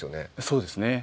そうですね。